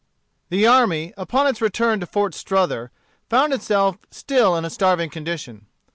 The army, upon its return to Fort Strother, found itself still in a starving condition.